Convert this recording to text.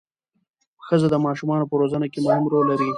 ښځه د ماشومانو په روزنه کې مهم رول لري